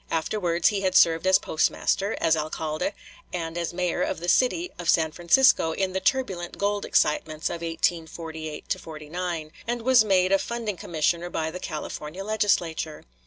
Afterwards he had served as postmaster, as alcalde, and as mayor of the city of San Francisco in the turbulent gold excitements of 1848 9, and was made a funding commissioner by the California Legislature.